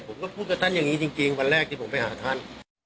ผมก็พูดกับท่านอย่างนี้จริงวันแรกที่ผมไปหาท่าน